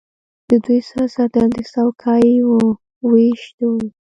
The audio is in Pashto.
د دوی سیاست تل د څوکۍو وېش دی.